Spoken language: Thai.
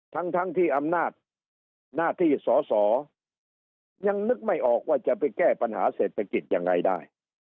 ทั้งทั้งที่อำนาจหน้าที่สอสอยังนึกไม่ออกว่าจะไปแก้ปัญหาเศรษฐกิจยังไงได้